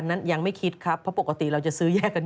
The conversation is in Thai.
โอลี่คัมรี่ยากที่ใครจะตามทันโอลี่คัมรี่ยากที่ใครจะตามทัน